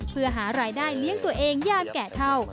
เพื่อหารายได้เลี้ยงตัวเองย่ามแก่เท่า